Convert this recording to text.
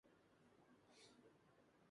سر سبز ہو، بھلے بنجر، یہ